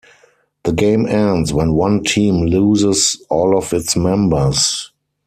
The game ends when one team loses all of its members.